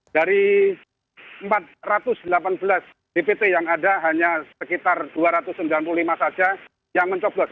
dari empat ratus delapan belas dpt yang ada hanya sekitar dua ratus sembilan puluh lima saja yang mencoblos